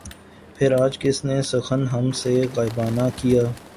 پھر آج کس نے سخن ہم سے غائبانہ کیا